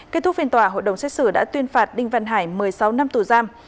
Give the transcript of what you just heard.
kết thúc phiên tòa hội đồng xét xử đã tuyên phạt đinh văn hải một mươi sáu năm tù giam